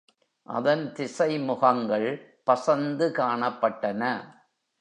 அதன் திசை முகங்கள் பசந்து காணப்பட்டன.